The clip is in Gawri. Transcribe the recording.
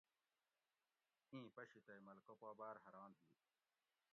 اِیں پشی تئی ملکہ پا باۤر حران ہی